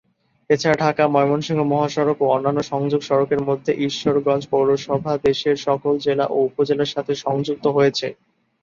এছাড়া ঢাকা-ময়মনসিংহ মহাসড়ক ও অন্যান্য সংযোগ সড়কের মাধ্যমে ঈশ্বরগঞ্জ পৌরসভা দেশের সকল জেলা ও উপজেলার সাথে সংযুক্ত হয়েছে।